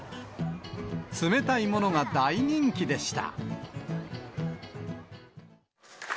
冷たいものが大人気でした。